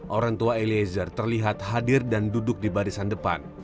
orang tua eliezer terlihat hadir dan duduk di barisan depan